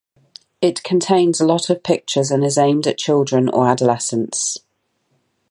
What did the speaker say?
It contains a lot of pictures and is aimed at children or adolescents.